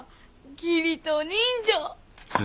義理と人情！